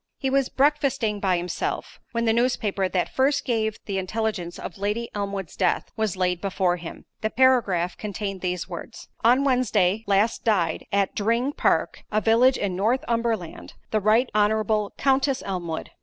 He was breakfasting by himself, when the newspaper that first gave the intelligence of Lady Elmwood's death, was laid before him—the paragraph contained these words: "On Wednesday last died, at Dring Park, a village in Northumberland, the right honourable Countess Elmwood.